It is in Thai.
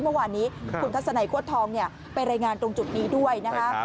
เมื่อวานนี้คุณทัศนัยโค้ดทองไปรายงานตรงจุดนี้ด้วยนะคะ